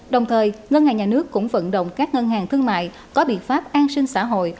đồng thời ngân hàng nhà nước cũng vận động các ngân hàng thương mại có biện pháp an sinh xã hội